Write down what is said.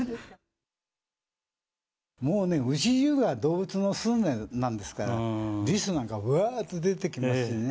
もうね、うち中が動物の巣なんですから、リスなんか、うわーっと出てきますしね。